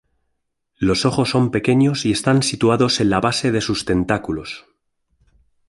Los ojos son pequeños y están situados en la base de sus tentáculos.